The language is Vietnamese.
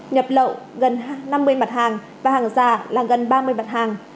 nhập lậu gần năm mươi mặt hàng và hàng giả là gần ba mươi mặt hàng